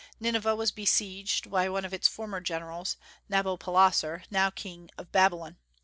Nineveh was besieged by one of its former generals, Nabopolassar, now king of Babylon.